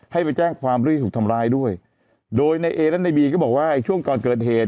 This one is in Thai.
ให้ไปแจ้งความเรื่องที่ถูกทำร้ายด้วยโดยในเอและในบีก็บอกว่าช่วงก่อนเกิดเหตุ